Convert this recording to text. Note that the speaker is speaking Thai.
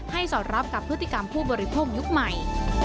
สอดรับกับพฤติกรรมผู้บริโภคยุคใหม่